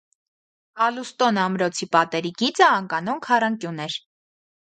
Ալուստոն ամրոցի պատերի գիծը անկանոն քառանկյուն էր։